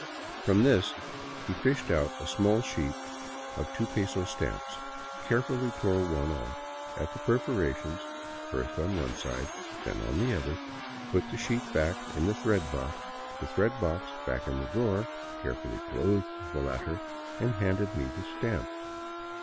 From this he fished out a small sheet of two peso stamps, carefully tore one off at the perforation, first on one side, then on the other, put the sheet back in the thread box, the thread box back in the drawer, carefully closed the latter, and handed me the Stamp.